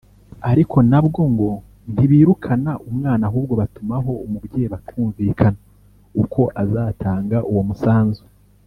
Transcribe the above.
ariko nabwo ngo ntibirukana umwana ahubwo batumaho umubyeyi bakumvikana uko azatanga uwo musanzu